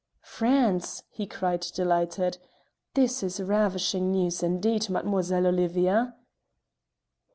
"France!" he cried, delighted. "This is ravishing news indeed, Mademoiselle Olivia!"